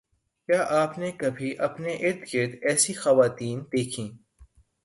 کیا آپ نے کبھی اپنی اررگرد ایسی خواتین دیکھیں